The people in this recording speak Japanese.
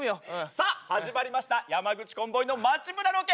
さあ始まりました山口コンボイの街ブラロケ！